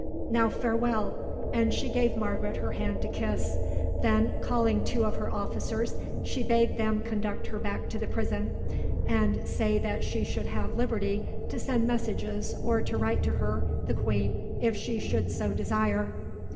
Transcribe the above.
Now farewell," and she gave Margaret her hand to kiss. Then, calling two of her officers, she bade them conduct her back to the prison, and say that she should have liberty to send messages or to write to her, the queen, if she should so desire.